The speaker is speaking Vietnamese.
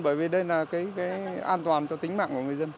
bởi vì đây là cái an toàn cho tính mạng của người dân